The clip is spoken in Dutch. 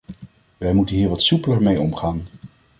Wij moeten hier wat soepeler mee omgaan.